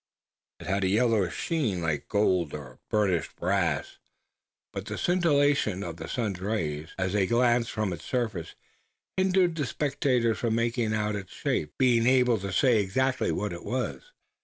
It had a yellowish sheen like gold or burnished brass but the scintillation of the sun's rays, as they glanced from its surface, hindered the spectators from making out its shape, or being able to say exactly what it was.